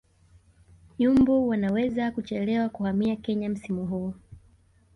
Nyumbu wanaweza kuchelewa kuhamia Kenya msimu huu